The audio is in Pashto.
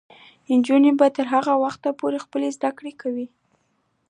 نجونې به تر هغه وخته پورې خپلې زده کړې کوي.